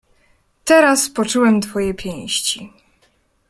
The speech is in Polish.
"Teraz poczułem twoje pięści."